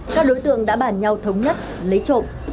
các đối tượng đã bàn nhau thống nhất lấy trộm